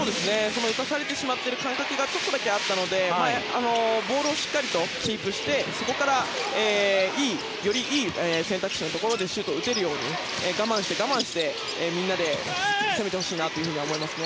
打たされてしまっている感覚がちょっとだけあったのでボールをしっかりキープしてそこからよりいい選択肢のところでシュートを打てるように我慢して、我慢してみんなで攻めてほしいなと思います。